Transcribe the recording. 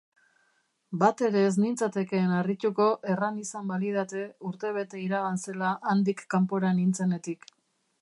Batere ez nintzatekeen harrituko erran izan balidate urtebete iragan zela handik kanpora nintzenetik.